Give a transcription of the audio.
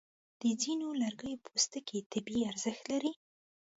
د ځینو لرګیو پوستکي طبي ارزښت لري.